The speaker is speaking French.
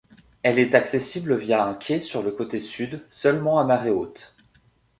Elle est accessible via un quai sur le côté sud seulement à marée haute.